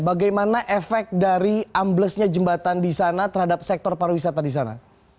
bagaimana efek dari amblesnya jembatan di sana terhadap sektor pariwisata di sana